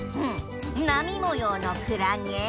もようのクラゲ。